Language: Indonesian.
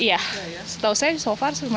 iya setahu saya so far cuma disini